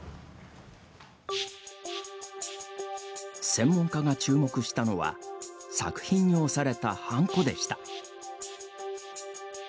専門家が注目したのは作品に押された、はんこでした。